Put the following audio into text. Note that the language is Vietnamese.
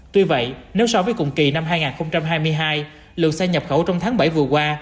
tuy vậy nếu so với cùng kỳ năm hai nghìn hai mươi hai lượng xe nhập khẩu trong tháng bảy vừa qua